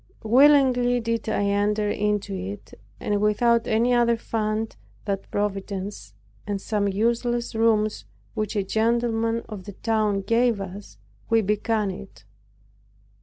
Willingly did I enter into it; and without any other fund than Providence and some useless rooms which a gentleman of the town gave us, we began it.